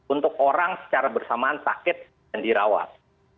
untuk orang secara bersamaan sakit dan dirawat